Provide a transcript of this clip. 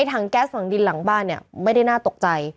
ถังแก๊สหลังดินหลังบ้านเนี่ยไม่ได้น่าตกใจ